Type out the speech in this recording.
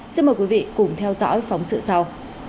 xin mời quý vị cùng theo dõi phóng sự sau